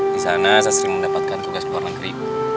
di sana saya sering mendapatkan tugas luar negeri